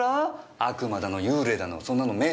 悪魔だの幽霊だのそんなの迷信だって。